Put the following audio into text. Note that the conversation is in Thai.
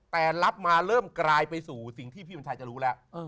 แต่รับมาเริ่มกลายไปสู่สิ่งที่พี่บุญชัยจะรู้แล้ว